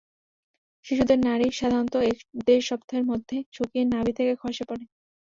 শিশুদের নাড়ি সাধারণত এক-দেড় সপ্তাহের মধ্যে শুকিয়ে নাভি থেকে খসে পড়ে।